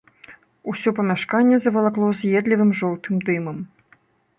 Усё памяшканне завалакло з'едлівым жоўтым дымам.